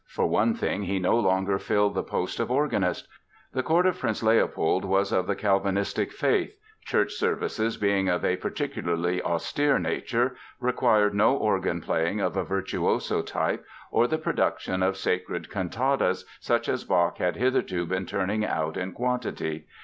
For one thing, he no longer filled the post of organist. The court of Prince Leopold was of the Calvinistic faith. Church services, being of a particularly austere nature, required no organ playing of a virtuoso type or the production of sacred cantatas, such as Bach had hitherto been turning out in quantity.